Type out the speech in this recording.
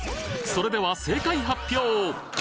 それでは正解発表。